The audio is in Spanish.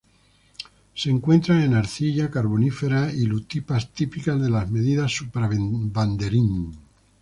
Se encuentran en arcilla carbonífera y lutitas típicas de las Medidas Supra-Banderín.